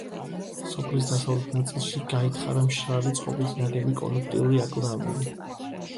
სოფლის დასავლეთ ნაწილში გაითხარა მშრალი წყობით ნაგები კოლექტიური აკლდამები.